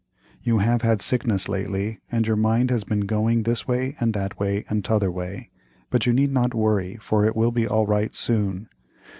You have had sickness lately and your mind has been going this way, and that way, and t'other way, but you need not worry for it will be all right soon.